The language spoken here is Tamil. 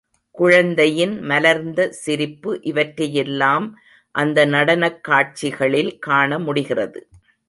குழந்தையின் மலர்ந்த சிரிப்பு இவற்றையெல்லாம் அந்த நடனக் காட்சிகளில் காண முடிகிறது.